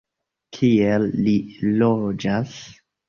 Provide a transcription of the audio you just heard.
Kie li loĝas?